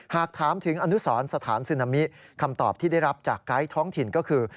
หากถามถึงอนุสรสถานซึนามิคำตอบที่ได้รับจากไกด์ท้องถิ่นก็คือ